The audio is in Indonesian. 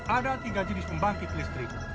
ada tiga jenis pembangkit listrik